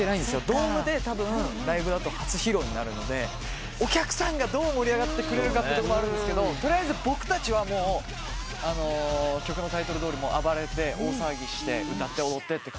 ドームでたぶんライブだと初披露になるのでお客さんがどう盛り上がってくれるかってところもあるんですけど取りあえず僕たちは曲のタイトルどおり暴れて大騒ぎして歌って踊ってって感じなので。